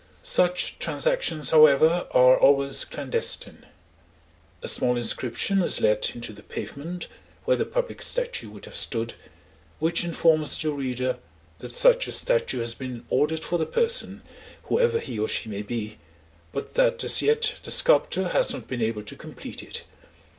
Such transactions, however, are always clandestine. A small inscription is let into the pavement, where the public statue would have stood, which informs the reader that such a statue has been ordered for the person, whoever he or she may be, but that as yet the sculptor has not been able to complete it.